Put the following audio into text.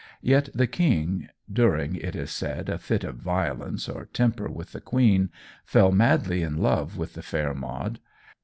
Yet the King, during, it is said, a fit of violence or temper with the Queen, fell madly in love with the fair Maud.